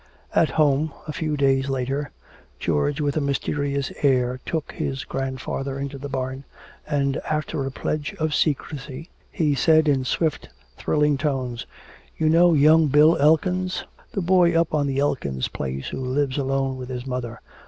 At home a few days later, George with a mysterious air took his grandfather into the barn, and after a pledge of secrecy he said in swift and thrilling tones, "You know young Bill Elkins? Yes, you do the boy up on the Elkins place who lives alone with his mother.